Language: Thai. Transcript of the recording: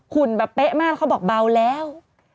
ุ่นแบบเป๊ะมากเขาบอกเบาแล้ว